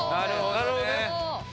なるほど。